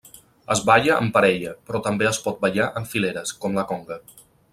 Es balla amb parella però també es pot ballar en fileres, com la conga.